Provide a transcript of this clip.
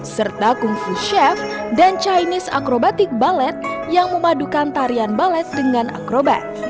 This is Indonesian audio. serta kung fu chef dan chinese acrobatic ballet yang memadukan tarian ballet dengan akrobat